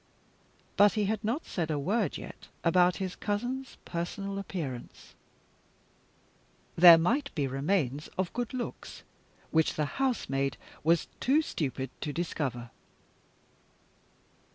But he had not said a word yet about his cousin's personal appearance. There might be remains of good looks which the housemaid was too stupid to discover.